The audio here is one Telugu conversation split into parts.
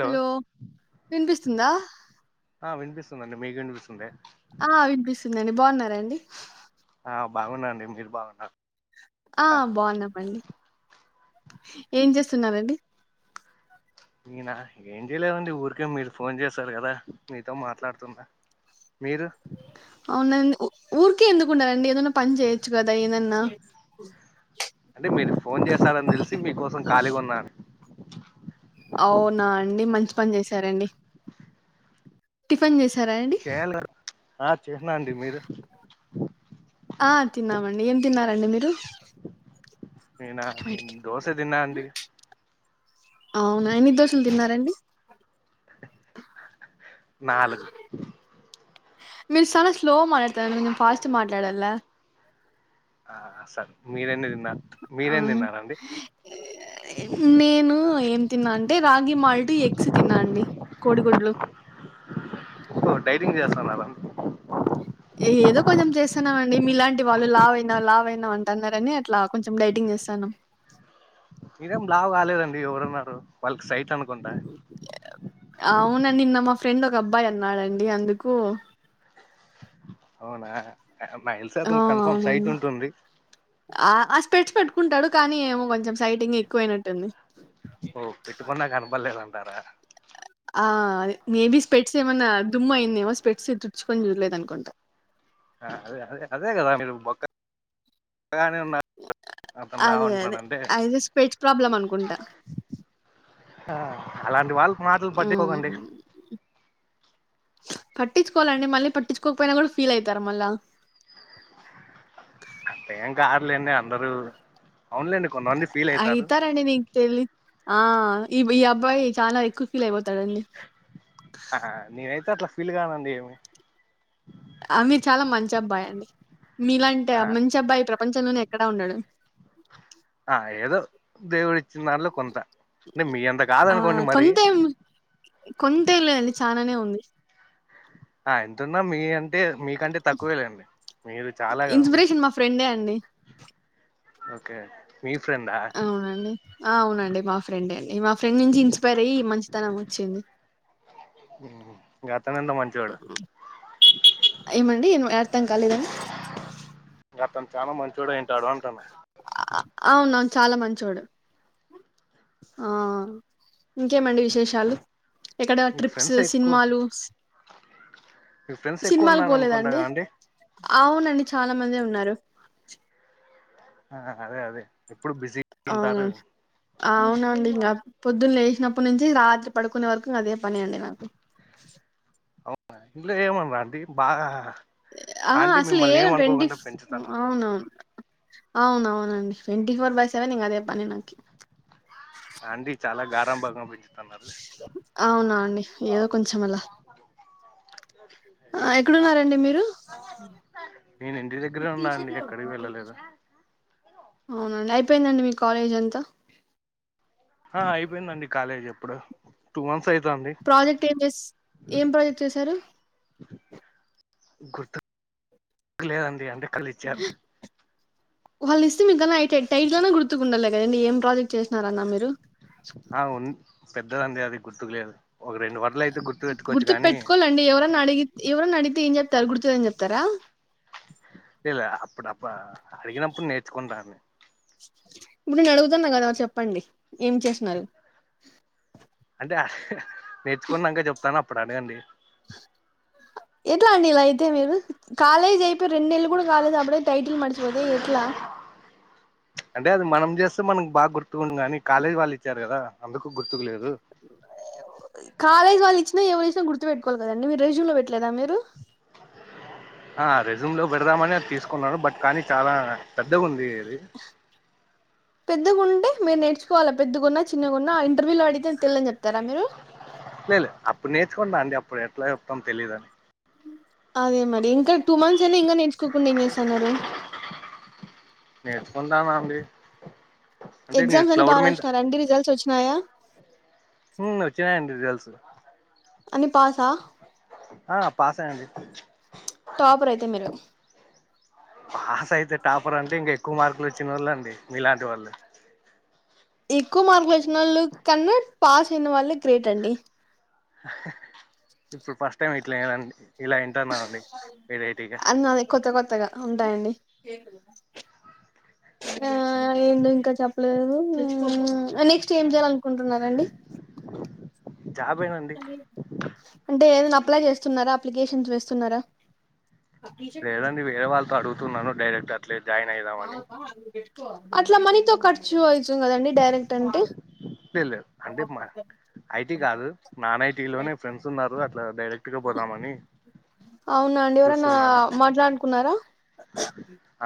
హలో వినిపిస్తుందా ఆ వినిపిస్తుందండి మీకు వినిపిస్తుందే ఆ వినిపిస్తుందండి బావున్నారండి ఆ బావున్నాండి మీరు బావున్నార ఆ బావున్నామండి ఏం చేస్తున్నరండి నేనా ఏం చేయలేవండి ఊరికే మీరు ఫోన్ చేసారు కదా మీతో మాట్లాడుతున్న మీరు అవునండి ఊరికే ఎందుకు ఉండాలండి ఏదన్నా పని చేయొచ్చు కదా ఏదన్నా అంటే మీరు ఫోన్ చేస్తారని తెలిసి మీకోసం ఖాళీగా ఉన్న అవునా అండి మంచి పని చేసారండి టిఫిన్ చేసారా చేయాల ఆ చేసినా అండి మీరు ఆ తిన్నామండి ఏం తిన్నారండి మీరు నేనా ఆటోమేటిక్. దోస తిన్నా అండి అవునా ఎన్ని దోసలు తిన్నారండి నాలుగు మీరు చాన స్లో మాట్లాడతారుఅండి కొంచెం ఫాస్ట్ మాట్లాడల ఆ సరే మీరు ఎన్ని తిన్నారు మీరేం అవును తిన్నారండి నేను ఏం తిన్నా అంటే రాగి మాల్ట్ ఎగ్స్ తిన్నా అండి కోడి గుడ్లు ఓ డైటింగ్ చేస్తున్నారా ఏదో కొంచెం చేస్తున్నాం అండి మీలాంటి వాళ్ళు లావ్ అయినావ్ లావ్ అయినావ్ అంటున్నారని అట్లా కొంచెం డైటింగ్ చేస్తాను మీరేం లావ్ కాలేదండి ఎవరన్నారు వాళ్ళకి సైట్ అనుకుంటా అవునండి నిన్న మా ఫ్రెండ్ ఒక అబ్బాయి అన్నాడండి అందుకు అవునా మైల్స్ ఆ అతను కన్ఫామ్ సైట్ అవునండి ఉంటుంది ఆ ఆ స్పెట్స్ పెట్టుకుంటాడు కానీ ఏమో కొంచెం సైటింగ్ ఎక్కువయినట్టుంది ఓ పెట్టుకున్నా కనపడలేదంటారా ఆ మేబీ స్పెట్స్ ఏమన్నా దుమ్ అయింది ఏమో స్పెట్స్ తుడుచుకొని చూడలేదు అనుకుంటా అదే అదే అదే కదా మీరు బక ఎక్కగానే ఉన్నారు అతను లా అదే అదే ఉంటున్నాడంటే అయితే స్పెడ్స్ ప్రాబ్లమ్ అనుకుంటా. హ అలాంటి వాళ్ళ మాటలు హ్మ్ పట్టుకోకండి. పట్టించుకోవాలండి మళ్ళీ. పట్టించుకోకపోయినా కూడా ఫీల్ అవుతారు మళ్లా. అంత ఏం కారులేండి అందరూ. అవునులేండి. కొంతమంది ఫీల్ అయితారు అయితా రనిని. తెలివి ఆ ఈ ఈ అబ్బాయి చాలా ఎక్కువ ఫీల్ అయిపోతాడాండు. ఆ ఆ నేనైతే అట్లా ఫీల్ కానండి ఏమి. అ మీరు చాలా మంచి అబ్బాయి అండి. మీలాంటి ఆ మంచి అబ్బాయి, ఈ ప్రపంచంలోనే ఎక్కడా ఉండడు. ఆ ఏదో దేవుడు ఇచ్చిన దానిలో కొంత. అంటే మీ అంత ఆ కాదనుకోండి మరి. కొంతేం కొంతేం లేదండి చాలానే ఉంది. హ ఎంతున్నా మీ అంటే మీకంటే తక్కువే లేండి. మీరు చాలా కదండి. ఇన్స్పిరేషన్ మా ఫ్రెండే అండి. ఓకే మీ ఫ్రెండా. అవునండి. ఆ అవునండి మా ఫ్రెండే అండి. మా ఫ్రెండ్ నుంచి ఇన్స్పైర్ అయ్యి మంచితనం వచ్చింది. గతం లన్న. ఏమండి అర్థం కాలేదండీ. అతను చాలా మంచోడు అయి ఉంటాడు అంటున్న. అవునును చాలా మంచోడు. ఆ ఇంకేమండి విశేషాలు. ఎక్కడ మీకు ట్రిప్స్ ఫ్రెండ్స్ ఎక్కువ సినిమాలు. మీకు ఫ్రెండ్స్ ఎక్కువ సినిమాలు ఉండాలే అనుకుంట పోలేదండి. కదండీ. అవునండి చాలా మందే ఉన్నారు. ఆ అదే అదే ఎప్పుడు బిజీ. అవునా. ఉంటారు అవునండి నాకు పొద్దున్న లేచినప్పటి నుంచి. రాత్రి పడుకునే వరకు అదే పని అండి నాకు. అవునా ఇంట్లో ఏం అనారా అండి బాగా. ఆ ఆంటీ అసలు ఏ మిమ్మల్ని ట్వంటీ ఏమనుకోకుండా పెంచుతాను అవునవును. అవున అవునండి ట్వంటీ ఫోర్ బై సెవెన్ ఇంకా అదే పని నాకి. అండి చాలా గారాబంగా పెంచుతున్నారు. అవునా అండి చ్చ ఏదో కొంచెం అలా ఆ ఎక్కడున్నా రండి మీరు. నేను ఇంటి దగ్గరే ఉన్నా అండి ఎక్కడికి వెళ్ళలేదు అవున అండి. అయిపోయిందండి మీ కాలేజ్ అంతా. ఆ అయిపోయిందండి. కాలేజ్ ఎప్పుడో టూ మంత్స్ అయితాంది. ప్రాజెక్ట్ ఏం చే ఏం ప్రాజెక్ట్ చేసారు. గుర్తుకు లేదండి అంటే. కళ్ళు ఇచ్చారు ఆ వాళ్ళు ఇస్తే మీకన్నా టైల్ ఐనా గుర్తుకుండాలే కదండి ఏం ప్రాజెక్ట్ చేస్తారన్న మీరు. అవున్ పెద్దదండీ అది గుర్తుకులేదు ఒక రెండు వర్డ్ లు అయితే గుర్తు. పెట్టుకోవచ్చు గుర్తుకు కానీ పెట్టుకోవాలండి. ఎవరైనా అడిగి ఎవరైనా అడిగితే, ఏం చెప్తారు గుర్తుకులేదని చెప్తారా. లేలే అప్పుడప్ప అడిగినప్పుడు నేర్చుకుంటానండి. ఇప్పుడు నేను అడుగుతున్నా కదా చెప్పండి ఏం చేస్తున్నారు. అంటే నేర్చుకున్నాక చెప్తాను. అప్పుడు అడగండి. ఎట్లా అండి ఇలా అయితే మీరు. కాలేజ్ అయి రెండు నెళ్లు కూడా కాలేదు అప్పుడే టైటిల్ మర్చిపోతే ఎట్లా. అంటే అది మనం చేస్తే మనకు బాగా గుర్తుకుంది కానీ కాలేజీ వాళ్ళు ఇచ్చారు కదా అందుకు గుర్తుకు లేదు. కాలేజ్ వాళ్ళు ఇచ్చినా ఎవరు ఇచ్చినా గుర్తుపెట్టుకోవాలే కదండి మీరు రెజ్యూమ్ లో పెట్టలేదా మీరు. ఆ రెజూమ్ లో పెడదామని అది తీసుకున్నాను బట్ కానీ చాలా పెద్దగా ఉంది ఇది పెద్దగా ఉంటే మీరు నేర్చుకోవాల పెద్దగున్న చిన్నగున్న ఇంటర్వ్యూ లో అడిగితే తెల్దని చెప్తారా మీరు లే లే అప్పుడు నేర్చుకుంటా అండి అప్పుడు ఎట్లా చెప్తాం తెలీదు అని అదే మరి ఇంకా టూ మంత్స్ అయినా ఇంకా నేర్చుకోకుండా ఏం చేస్తున్నారు నేర్చకుంటానండి ఎగ్జామ్స్ అన్ని బాగ రాసినారా అండి రిజల్ట్స్ వచ్చినాయా హుమ్ వచ్చయండి రిజల్ట్స్ అన్ని పాసా ఆ పాసే అండి టాపర్ అయితే మీరు పాస్ అయితే టాపర్ అంటే ఇంక ఎక్కువ మార్కులు వచ్చిన వాళ్ళు అండి మీలాంటి వాళ్ళు ఎక్కువ మార్కులు వచ్చినా వాళ్ళ కన్నా పాస్ అయిన వాళ్ళే గ్రేట్ అండి ఇప్పుడు ఫస్ట్ టైం ఇట్లాండి ఇలా వింటున్నా అండి వెరైటీగా అన్న కొత్త కొత్తగా ఉంటాయండి ఆ ఏందింక చెప్ నెక్స్ట్ ఏం చేయాలీ అనుకుంటున్నారండి జాబేనండి అంటే ఏదైనా అప్లై చేస్తున్నారా అప్లికేషన్స్ వేస్తున్నారా లేదండి వేరే వాళ్ళతో అడుగుతున్నాను డైరెక్ట్ అట్లే జాయిన్ అయిదా అట్ల మనీతో ఖర్చు అయితుంది కదండి డైరెక్ట్ అంటే లే లే అంటే మ ఐటీ కాదు నాన్ ఐటీ లోనే ఫ్రెండ్స్ ఉన్నారు అట్లా డైరెక్ట్ గా పోదామని అవునా అండి ఎవరన్నా చూస్తున్నాను మాట్లాడుకున్నారా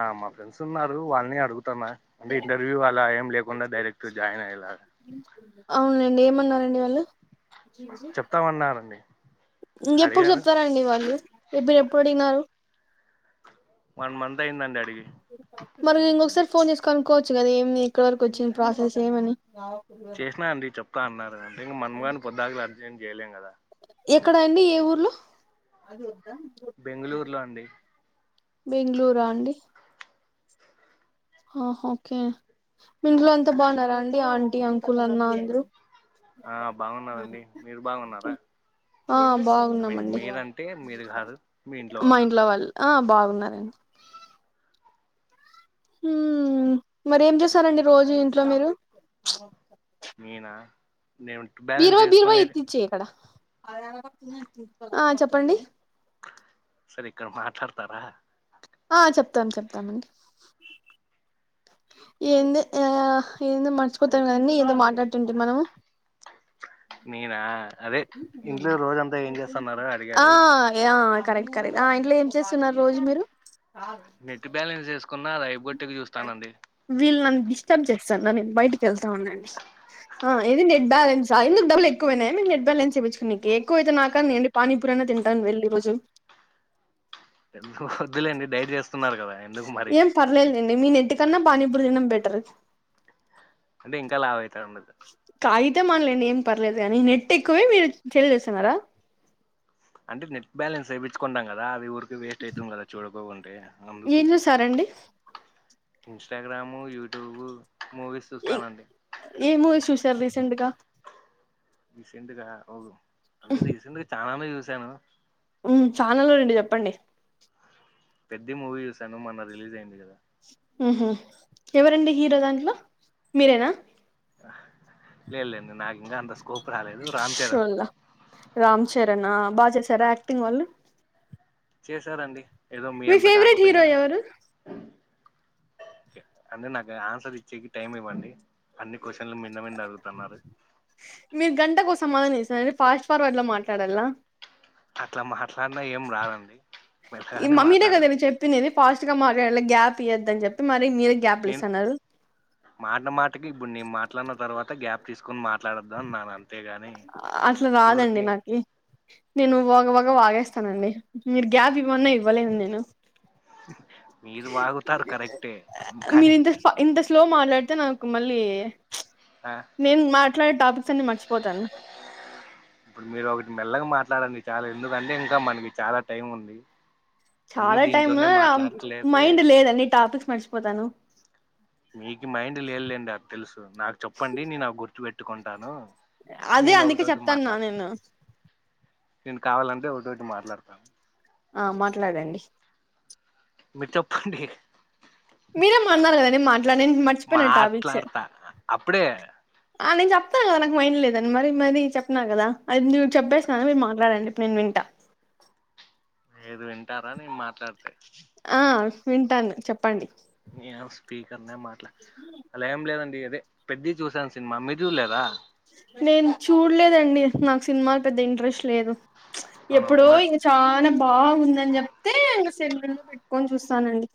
ఆ మా ఫ్రెండ్స్ ఉన్నారు వాళ్ళని అడుగుతాన్న అంటే ఇంటర్వ్యూ అలా ఏం లేకుండా డైరెక్ట్ జాయిన్ అయ్యేలా అవునండి ఏమన్నారండి వాళ్ళు చెప్తామన్నారండి ఇంకెప్పుడు అడిగాను చెప్తారండి వాళ్ళు ఇప్పుడు ఎప్పుడు అడిగినారు వన్ మంత్ అయిందండి అడిగి మరి ఇంకొకసారి ఫోన్ చేసుకుని కనుకోవచ్చు కదా ఏమి ఇక్కడి వరకు వచ్చింది ప్రాసెస్ ఏమని చేసినా అండి చెప్తా అన్నారు ఇకా మనం గానీ పొద్దాకులు అడిగితే ఏం చేయలేం కదా ఎక్కడ అండి ఏ ఊర్లో బెంగళూరులో అండి బెంగళూరా అండి ఆ ఓకే ఇంట్లో అంతా బాగున్నారా అండి ఆంటీ అంకుల్ అన్నా అందరూ ఆ బాగున్నారండి మీరు బాగున్నారా ఆ మీ బాగున్నామండి మీరంటే మీరు కాదు మీ ఇంట్లో వాళ్ళు ఆ బాగున్నారండి హుమ్ మరి ఏం చేస్తారండి రోజు ఇంట్లో మీరు నేనా నేను బ్యాలెన్స్ వేసుకునేది ఆ చెప్పండి సరిగ్గా మాట్లాడతారా ఆ చెప్తాను చెప్తను ఏంది ఆ ఏందో మర్చిపోతారు కదండి ఏమన్నా మాట్లాడుతుంటే మనము నేనా అదే ఇంట్లో రోజంతా ఏం చేస్తున్నారు ఆ అడిగారు ఆ కరెక్ట్ కరెక్ట్ ఆ ఇంట్ల ఏం చేస్తున్నరు రోజు మీరు? నెట్ బ్యాలెన్స్ ఏసుకున్నా అది అయిపోగొట్టి చూస్తానండి. వీల్ నన్ డిస్టర్బ్ చేస్తాన్నను నేన్ బయటికెళ్తా ఉన్నండి. ఆ ఏది నె బాలెన్స్ ఆ, ఎందుకు డబ్బులు ఎక్కువనయా మీక్ నె ట్ బాలెన్స్ ఎపిచుకునేకి. ఎక్కువైతే నాకన్న ఇయ్యండి. పానీపూరన్న తింటాను వెళ్ళి ఈ రోజు ఎందుకు వద్దులేండి డైట్ చేస్తున్నారు కదా ఎందుకు మరి ఏం పర్లేదులేండి మీ నెట్ కన్నా పానీపూరి తినడం బెటర్ అంటే ఇంకా లావైతర్ వదు తాగితే మన్లెండి ఏం పర్లేదు గానీ నెట్ ఎక్కువే మీరు చిల్ చేస్తున్నారా? అంటే నెట్ బాలెన్స్ ఎపిచుకుంటాం కదా అవి ఊరికే వేస్ట్ అయితుంది కదా చూడకోకుంటే. అందుకు ఏం చూసారండి? ఇన్స్టాగ్రాము, యూట్యూబు, మూవీస్ చూస్తానండి. ఏ మూవీస్ చూసారు రీసెంట్ గా? రీసెంట్గా ఓ అంటే రీసెంట్గా చాలానే చూసాను. ఉమ్ ఛానల్లో రెండు చెప్పండి పెద్ద మూవీ చూసాను. మొన్న రిలీజ్ అయింది కదా. ఉహు ఎవరండి హీరో దాంట్లో మీరేనా? లేద్ లేద్ నాకి ఇంకా అంత స్కోప్ రాలేదు రామ్ చరణ్ షోల్లా రామ్ చరణ్ ఆ బా చేసారా యాక్టింగ్ వాళ్ళు? చేశారండి ఏదో మీ అంత ఫేవరెట్ హరో కాకపోయినా ఎవరు? అంటే నాకు ఆన్సర్ ఇచ్చేకి టైమ్ ఇవ్వండి, అన్ని క్వశ్చన్లు మింద మింద అడుగుతున్నారు. మీరు గంటకో సమాధనం ఇస్తరండి, ఫాస్ట్ ఫార్వర్డ్ ల మాట్లాడల. అట్లా మాట్లాడినా ఏం రాదండి మెల్లగనే మాట్లాడన్ పి నేనే ఫాస్ట్గా మాట్లాడలా, గ్యాప్ ఇయోద్దని చెప్పి మరి మీరే గ్యాప్లు నేను ఇస్తన్నారు. మాట మాటకి ఇప్పుడు నేను మాట్లాడిన తర్వాత గ్యాప్ తీసుకోని మాట్లాడొద్దా అన్నాన ఆ అట్లా రాదండి నాకి. నేను వగ వగా వాగేస్తానండి. మీరు గ్యాప్ ఇవ్వమన్నా ఇవ్వలేను నేను. మీరు వాగుతారు కరెక్టే మీరు కానీ ఇంత ఇంత స్లో మాట్లాడితే నాకు మళ్ళీ ఆ నేన్ మాట్లాడే టాపిక్స్ అన్ని మర్చిపోతాను. ఇప్పుడు మీరోకటి మెల్లగ మాట్లాడండి, చాల ఎందుకంటే ఇంక మనకి చాలా టైం ఉంది. అన్ని చాల టైమ్ దీంట్లోనే ఆమ్ మాట్లాడట్లయితే మైండ్ లేదండి, టాపిక్స్ మర్చిపోతాను. మీకి మైండ్ లేదులేండి అది తెలుసు. నాకు చెప్పండి నేను అవ్ గుర్తుపెట్టుకుంటాను. అదే నేను అందుకే ఒకటోటి చెప్తాన్నా మాట్లాడు, నేను నేను కావాలంటే ఒకటోటి మాట్లాడతా. ఆ మాట్లాడండి మీర్ చెప్పండి మీరేం మన్నారు కదండి మాట్లాడ్నన్ నేన్ మర్చిపోయిన టాపిక్స్. మాట్లాడతా అప్పుడే ఆ నేను చెప్తా కదా నాకు మైండ్ లేదని, మరి మరి చెప్నా కదా. అది నువ్ చెప్పేస్నా కదా మీరు మాట్లాడండి ఇప్పుడు నేన్ వింట. మీరు వింటారా నేన్ మాట్లాడితే? ఆ వింటాను చెప్పండి ఆ ఏ స్పీకర్ నే మాట్లా అలా ఏం లేదండి అదే పెద్ది చూసాను సినిమా, మీరు చుడ్లేదా? నేను చూడలేదండి. నాకు సినిమాలు పెద్ద ఇంట్రెస్ట్ లేదు అవును ఎప్పుడో మరి ఇ చానా బాగుందని చెప్తే ఇంక సినిమాలు పెట్టుకొని చూస్తానండి.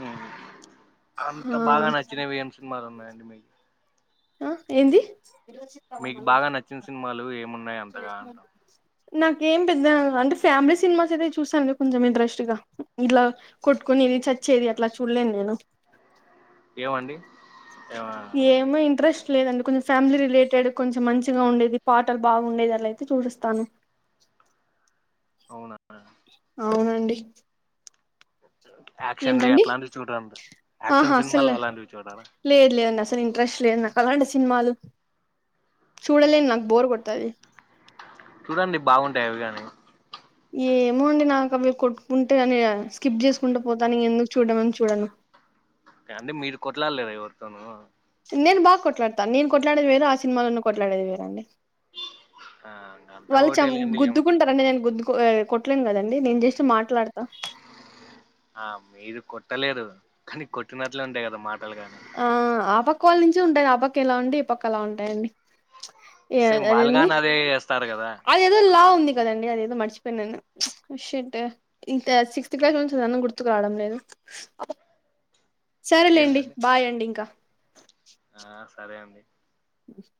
ఉమ్ అంత బాగా నచ్చినవి ఎం సినిమాలు ఉన్నాయండి మీకు ఆ ఏంది మీకు బాగా నచ్చిన సినిమాలు ఏమున్నయంతగా అంటావున్ నాకేం పెద్ద అంటే ఫ్యామిలీ సినిమాస్ అయితే చూస్తానండి కొంచెం ఇంట్రెస్ట్గా ఇట్లా కొట్టుకునేది చచ్చేది అట్లా చూడలేను నేను ఏమండి ఏమో ఇంట్రెస్ స్ట్ లేదండి కొంచెం ఫ్యామిలీ రిలేటెడ్ కొంచెం మంచిగా ఉండేది పాటలు బాగుండేది అలా అయితే చూసెస్తాను అవునా అవునండి యాక్షన్ వి ఏంటండి అట్లాంటివి చూడరండి ఆహా యాక్షన్ అసలు సినిమాలు అలాంటివి చూడాలా లేదు లేదండి అసలు ఇంట్రెస్ట్ లేదు నాకలాంటి సినిమాలు చూడలేను నాకు బోర్ కొడుతది చూడండి బాగుంటయి అవి గనీ ఏమో అండి నాక అవి కొట్టుకుంటయని స్కిప్ జేసుకుంటా పోతాను ఇగేందుకు చూడ్డమని చూడను ఏ అండి మీరు కొట్లాడలేదా ఎవరితోనూ నేను బాగ కొట్లాడతా నేను కొట్లాడేది వేరు ఆ సినిమాలోన కొట్లాడేది వేరండి ఆ అంతా వాళ్ళు చం ఒకటేలేండి ఏముంటది గుద్దుకుంటరండి నేను గుద్దుకో ఏ కొట్ ట్లేన్ గదండి నేను జస్ట్ మాట్లాడతా ఆ మీరు కొట్టలేదు కనీ కొట్టినట్లే ఉంటాయి గదా మాటలు గానీ ఆ ఆ పక్క వోళ్ నుంచి ఉంటది ఆపక్క ఎలా ఉంటే ఈ పక్క అలా ఉంటాయండి సేమ్ వాళ్ళుగానదే చేస్తారు గదా దో లా ఉంది కదండి అదేదో మర్చిపోయినాను ఓ షట్ ఇంక సిక్స్త్ క్లాస్ లో నుంచి రన్న గుర్తుక్ రావడం లేదు సరేలేండి ఏందండి బాయ్ అండి ఇంకా ఆ సరే అండి ఉమ్